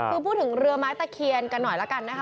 คือพูดถึงเรือไม้ตะเคียนกันหน่อยละกันนะคะ